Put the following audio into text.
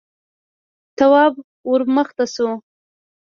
تواب ور مخته شو: